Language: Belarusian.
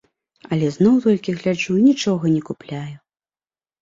Але зноў толькі гляджу і нічога не купляю.